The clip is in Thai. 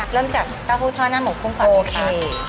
เริ่มจากเต้าหู้ท่าหน้าหมูกุ้งก่อนก่อนค่ะ